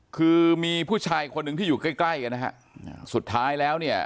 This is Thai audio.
คือมีผู้ชายคนหนึ่งที่อยู่ใกล้ใกล้กันนะฮะสุดท้ายแล้วเนี่ย